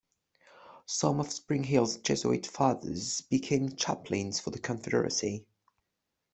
Some of Spring Hill's Jesuit fathers became chaplains for the Confederacy.